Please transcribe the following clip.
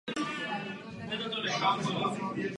Byl opravdu skličující.